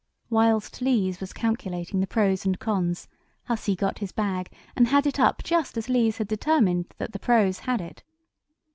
Whilst Lees was calculating the pros and cons Hussey got his bag, and had it up just as Lees had determined that the pros had it.